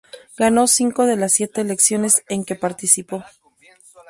Ganó cinco de las siete elecciones en que participó.